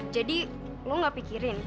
jadi lo gak pikirin